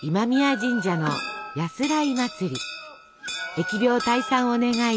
疫病退散を願い